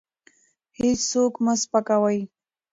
هېڅوک مه سپکوئ.